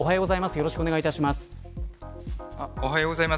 よろしくお願いします。